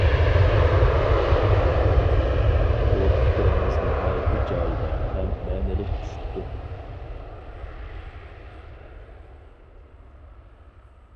بۇ پىكرىڭىز ناھايىتى جايىدا ھەم مەنىلىك چۈشۈپتۇ.